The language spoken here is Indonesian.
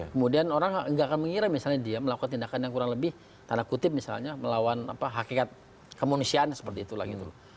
kemudian orang nggak akan mengira misalnya dia melakukan tindakan yang kurang lebih tanda kutip misalnya melawan hakikat kemanusiaan seperti itulah gitu loh